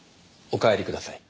お帰りください。